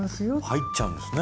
入っちゃうんですね